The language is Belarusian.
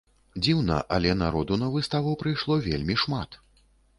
Дзіўна, але народу на выставу прыйшло вельмі шмат.